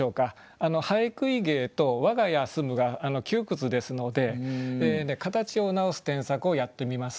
「蠅食ひ芸」と「わが家住む」が窮屈ですので形を直す添削をやってみます。